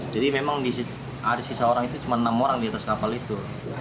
jadi memang ada sisa orang itu cuma enam orang di atas kapal itu